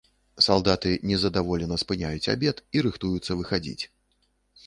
Салдаты нездаволена спыняюць абед і рыхтуюцца выхадзіць.